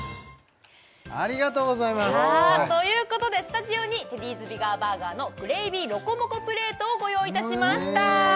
ありがとうございますさあということでスタジオにテディーズビガーバーガーのグレービーロコモコプレートをご用意いたしました